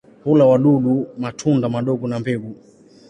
Hula wadudu, matunda madogo na mbegu.